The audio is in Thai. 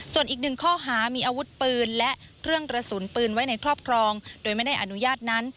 ส่วนอีกหนึ่งข้อหามีอาวุธปืนและเครื่องกระสุนปืนไว้ในครอบครองโดยไม่ได้อนุญาตนั้น